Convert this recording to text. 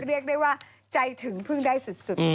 เรียกได้ว่าใจถึงพึ่งได้สุด